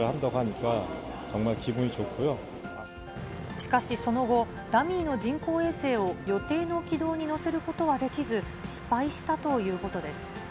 しかし、その後、ダミーの人工衛星を予定の軌道に乗せることはできず、失敗したということです。